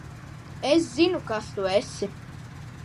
Es zinu, kas tu esi.